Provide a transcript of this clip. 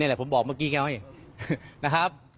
แหละผมบอกเมื่อกี้ไงนะครับ